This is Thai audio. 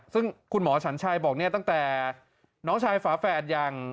ซึ่งคุณหมอฉันชัยบอกเนี่ยตั้งแต่น้องชายฝาแฝดอย่าง